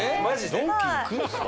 ドンキ行くんですか？